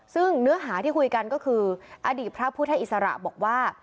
ซึ่งเนื้อหาที่คุยกันก็คืออดีตพระพุทธอิสระบอกว่า